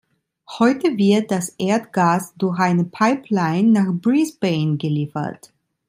Heute wird das Erdgas durch eine Pipeline nach Brisbane geliefert.